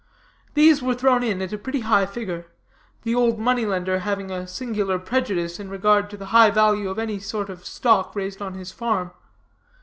These were thrown in at a pretty high figure, the old money lender having a singular prejudice in regard to the high value of any sort of stock raised on his farm.